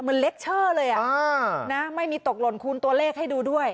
เหมือนเล็กเชอร์เลยอ่ะอ่าน่ะไม่มีตกหล่นคูณตัวเลขให้ดูด้วย